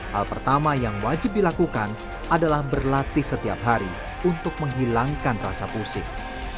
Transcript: hal pertama yang wajib dilakukan adalah berlatih setiap hari untuk menghilangkan rasa pusing